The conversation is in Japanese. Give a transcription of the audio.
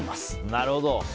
なるほど。